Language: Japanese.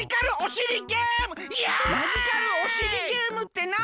マジカルおしりゲームってなに？